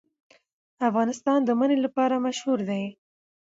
افغانستان د منی لپاره مشهور دی.